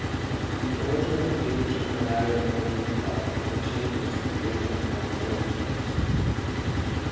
_ The origin of the figures from the matter of the dream thoughts and the changes the figures underwent are of interest.